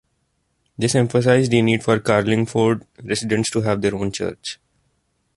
This emphasised the need for Carlingford residents to have their own church.